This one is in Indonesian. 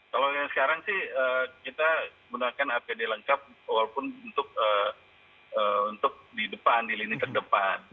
kalau yang sekarang sih kita gunakan apd lengkap walaupun untuk di depan di lini terdepan